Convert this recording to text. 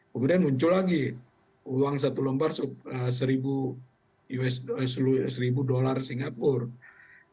kemudian muncul lagi uang satu lembar seribu dolar singapura